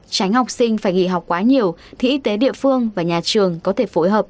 tránh học sinh phải nghỉ học quá nhiều thì y tế địa phương và nhà trường có thể phối hợp